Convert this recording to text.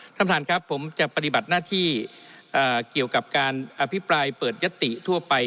ท่านประธานครับผมจะปฏิบัติหน้าที่เกี่ยวกับการอภิปรายเปิดยติทั่วไป